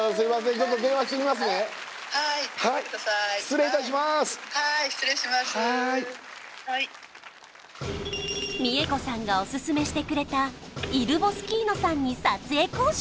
ちょっと美恵子さんがオススメしてくれたイルボスキーノさんに撮影交渉